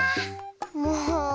もう。